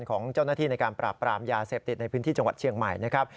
ของเจ้าหน้าที่ในการปราบปรามยาเสพติดในพื้นที่จังหวัดเชียงใหม่นะครับ